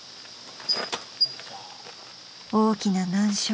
［大きな難所］